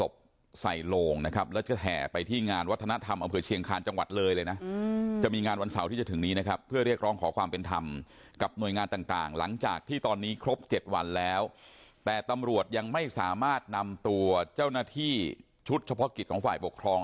ก็จริงเราก็กลัวค่ะกลัวประวัติศาสตร์มันซ้ำโลยครับ